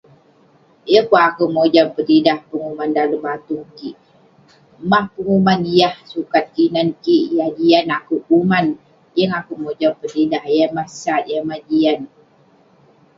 Yeng pun akouk mojam petidah penguman dalem batung kik. Mah penguman yah sukat kinan kik, yah jian akouk kuman. Yeng akouk mojam petidah yah mah sat, yah mah jian.